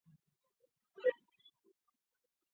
据说这两条河流每个世纪仅流一次。